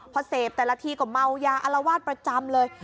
พอเสพแต่ละทีก็เมายาอารวาสประจำเลย